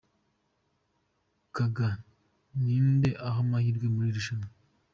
Gaga ni nde aha amahirwe muri iri rushanwa?.